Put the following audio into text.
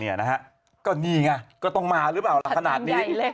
นี่นะฮะก็นี่ไงก็ต้องมาหรือเปล่าล่ะขนาดนี้